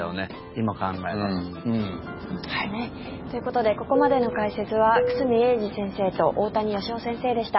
今、考えますと。ということでここまでの解説は久住英二先生と大谷義夫先生でした。